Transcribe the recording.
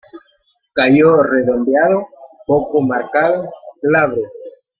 Callo redondeado, poco marcado, glabro.